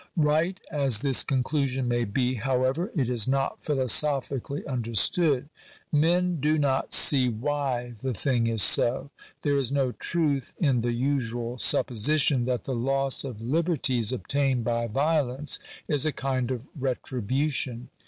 Right as this conclusion may be, however, it is not philosophically understood. Men do not see why the thing is so. There is no truth in the usual supposi tion that the loss of liberties obtained by violence is a kind of retribution.